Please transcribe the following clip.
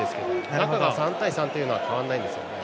中が３対３というのは変わらないです。